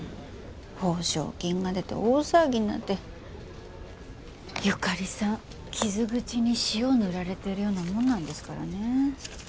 報奨金が出て大騒ぎになって由香利さん傷口に塩を塗られてるようなもんなんですからね。